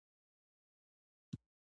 د قبرونو زیارت کوه، دا زړه نرموي.